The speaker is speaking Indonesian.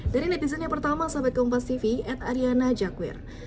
dari netizen yang pertama sobatkompastv ed ariana jagwir